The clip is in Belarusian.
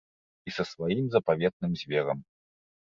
І са сваім запаветным зверам.